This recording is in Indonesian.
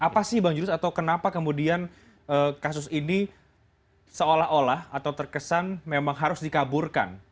apa sih bang julius atau kenapa kemudian kasus ini seolah olah atau terkesan memang harus dikaburkan